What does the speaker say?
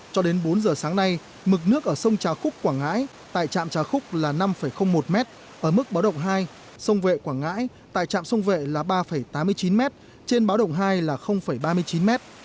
cho đến bốn giờ sáng nay mực nước ở sông trà khúc quảng ngãi tại trạm trà khúc là năm một m ở mức báo động hai sông vệ quảng ngãi tại trạm sông vệ là ba tám mươi chín m trên báo động hai là ba mươi chín m